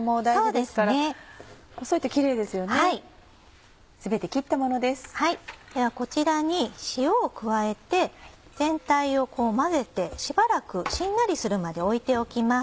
ではこちらに塩を加えて全体を混ぜてしばらくしんなりするまで置いておきます。